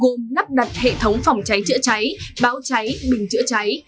gồm nắp đặt hệ thống phòng cháy chữa cháy báo cháy bình chữa cháy